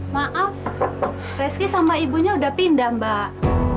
maaf reski sama ibunya udah pindah mbak